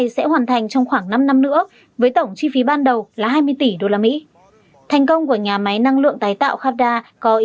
xin chào và hẹn gặp lại